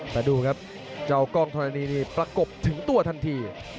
แต่ดูครับเจ้ากล้องธรณีนี่ประกบถึงตัวทันที